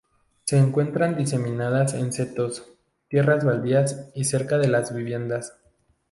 Se encuentran diseminadas en setos, tierras baldías y cerca de las viviendas.